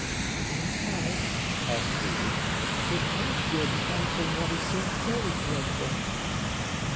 "And how," asked Phœbe, "could any good come from what is so very dreadful?"